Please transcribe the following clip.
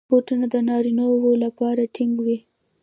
بوټونه د نارینه وو لپاره ټینګ وي.